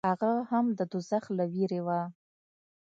هغه هم د دوزخ له وېرې و.